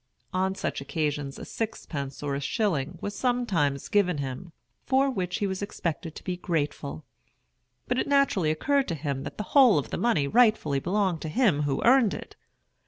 On such occasions a sixpence or a shilling was sometimes given him, for which he was expected to be grateful; but it naturally occurred to him that the whole of the money rightfully belonged to him who earned it.